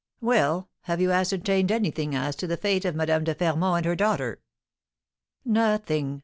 "Well, have you ascertained anything as to the fate of Madame de Fermont and her daughter?" "Nothing!"